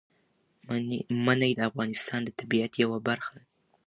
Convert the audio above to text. منی د افغانستان د طبیعت برخه ده.